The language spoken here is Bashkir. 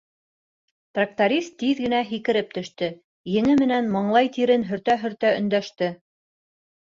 Тракторист тиҙ генә һикереп төштө, ене менән маңлай тирен һөртә-һөртә өндәште: